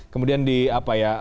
kemudian di apa ya